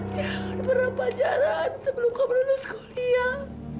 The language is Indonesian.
jangan berlampajaran sebelum kamu lulus kuliah